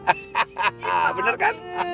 hahaha bener kan